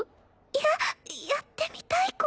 ややってみたい事？